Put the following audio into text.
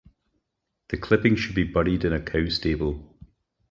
The clippings should be buried in a cow stable.